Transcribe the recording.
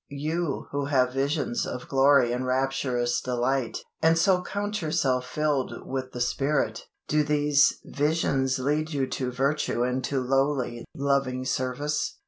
You who have visions of glory and rapturous delight, and so count yourselves filled with the Spirit, do these visions lead you to virtue and to lowly, loving service?